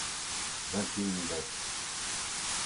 vingt et une lettres.